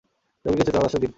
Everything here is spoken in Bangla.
রোগীকে চেতনানাশক দিন।